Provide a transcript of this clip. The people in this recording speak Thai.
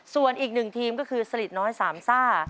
ส่วนอีกหนึ่งทีมก็คือสลิดน้อยสามซ่า